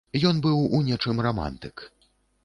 Ён быў у нечым рамантык.